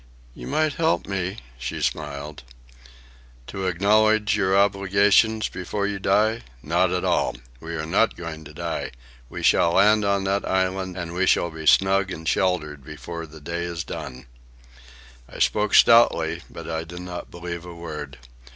"You might help me," she smiled. "To acknowledge your obligations before you die? Not at all. We are not going to die. We shall land on that island, and we shall be snug and sheltered before the day is done." I spoke stoutly, but I did not believe a word.